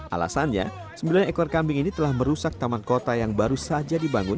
alasannya sembilan ekor kambing ini telah merusak taman kota yang baru saja dibangun